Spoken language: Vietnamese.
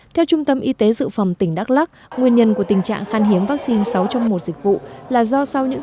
theo trung tâm y tế dự phòng tỉnh đắk lắc nguyên nhân của tình trạng khan hiếm vaccine sáu trong một dịch vụ là do sau những